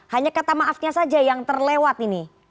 hanya kata maafnya saja yang terlewat ini